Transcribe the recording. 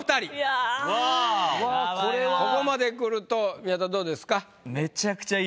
ここまでくると宮田どうですか？